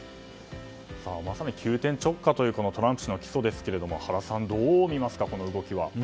まさに急転直下というトランプ氏の起訴ですが原さん、どうみますかこの動きは。